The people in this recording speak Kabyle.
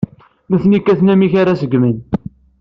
Nutni kkaten amek ara seggmen.